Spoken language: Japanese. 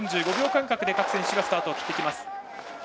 ４５秒間隔で各選手がスタートを切ってきます。